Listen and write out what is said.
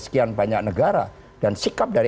sekian banyak negara dan sikap dari